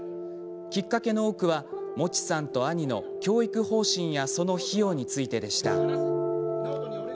きっかけの多くはもちさんと兄の教育方針やその費用についてでした。